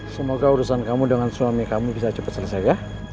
semoga urusan kamu dengan suami kamu bisa cepat selesai ya